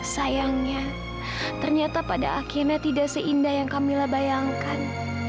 sayangnya ternyata pada akhirnya tidak seindah yang kamila bayangkan